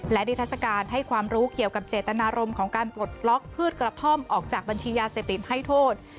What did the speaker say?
และนิทัศกาลให้ความรู้เกี่ยวกับเจตนารมณ์ของการปลดล็อกพืชกระท่อมออกจากบัญชียาเสพติดให้โทษ